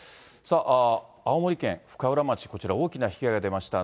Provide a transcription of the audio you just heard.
青森県深浦町、こちら大きな被害が出ました。